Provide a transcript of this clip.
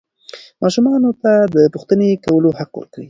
ماشومانو ته د پوښتنې کولو حق ورکړئ.